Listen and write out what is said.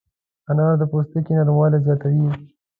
انار د پوستکي نرموالی زیاتوي.